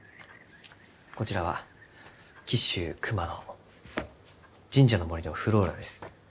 こちらは紀州熊野神社の森のｆｌｏｒａです。